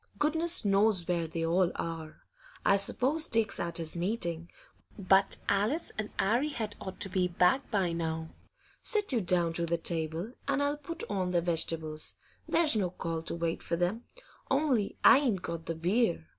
'Goodness knows where they all are. I s'pose Dick's at his meeting; but Alice and 'Arry had ought to be back by now. Sit you down to the table, and I'll put on the vegetables; there's no call to wait for them. Only I ain't got the beer.